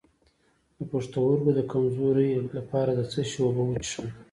د پښتورګو د کمزوری لپاره د څه شي اوبه وڅښم؟